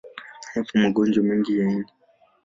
Yapo magonjwa mengi ya ini.